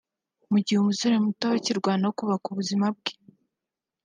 Mu gihe umusore ukiri muto aba akirwana no kubaka ubuzima bwe